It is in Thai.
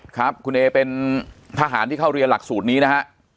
ครับคุณเอเป็นทหารที่เข้าเรียนหลักสูตรนี้นะฮะ